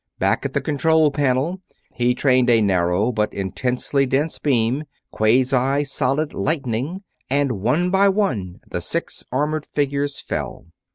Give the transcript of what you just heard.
Back at the control panel, he trained a narrow, but intensely dense beam quasi solid lightning and one by one the six armored figures fell.